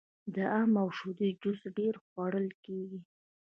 د ام او شیدو جوس ډیر خوړل کیږي.